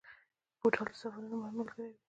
بوتل د سفرونو مهم ملګری وي.